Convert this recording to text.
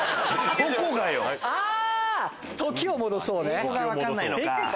英語が分かんないのか！